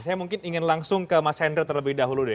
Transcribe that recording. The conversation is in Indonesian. saya mungkin ingin langsung ke mas wendra terlebih dahulu